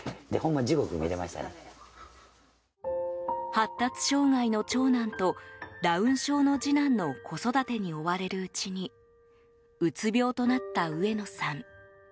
発達障害の長男とダウン症の次男の子育てに追われるうちにうつ病となった上野さん。